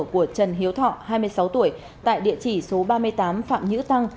của trần hiếu thọ hai mươi sáu tuổi tại địa chỉ số ba mươi tám phạm nhữ tăng